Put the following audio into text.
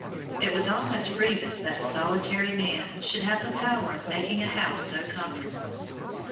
It was almost grievous that a solitary man should have the power of making a house so comfortable!